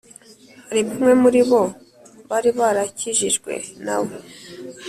hari bamwe muri bo bari barakijijwe na we